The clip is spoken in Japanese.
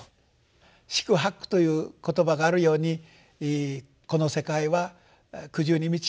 四苦八苦という言葉があるようにこの世界は苦渋に満ちている苦に満ちていると。